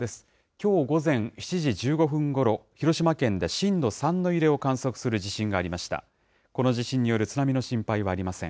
きょう午前７時１５分ごろ、広島県で震度３の揺れを観測する地震がありました。